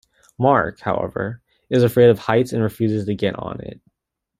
Mark, however, is afraid of heights and refuses to get on it.